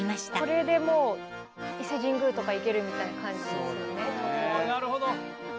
これでもう伊勢神宮とか行けるみたいな感じですよね。